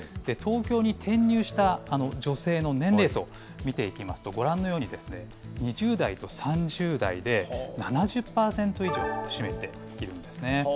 東京に転入した女性の年齢層見ていきますと、ご覧のように、２０代と３０代で７０％以上を占めているんですね。